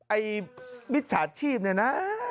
ไอ้วิชาชีพนี่นะ